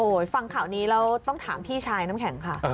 ฟังข่าวนี้แล้วต้องถามพี่ชายน้ำแข็งค่ะ